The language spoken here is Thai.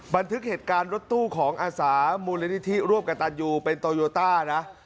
บันทึกเหตุการณ์รถตู้ของอาสามูลนิธิร่วมกับตันยูเป็นโตโยต้านะ